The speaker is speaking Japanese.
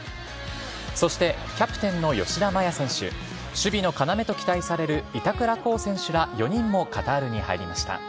そして、キャプテンの吉田麻也選手、守備の要と期待される、板倉滉選手ら、４人もカタールに入りました。